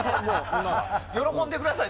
喜んでください。